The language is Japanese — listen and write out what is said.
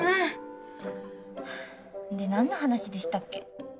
で、なんの話でしたっけ？